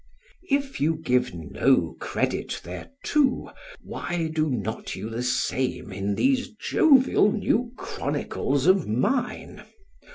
If you give no credit thereto, why do not you the same in these jovial new chronicles of mine?